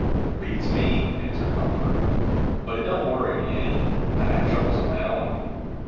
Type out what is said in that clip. "Beats me," answered Crawford. "But it don't worry me any. I've got troubles of my own."